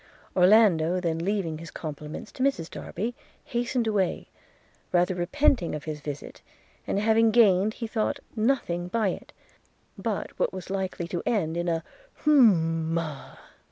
– Orlando, then leaving his compliments to Mrs Darby, hastened away, rather repenting of his visit, and having gained, he thought, nothing by it, but what was likely to end in a hum a!